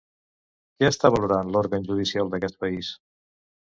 Què està valorant l'òrgan judicial d'aquest país?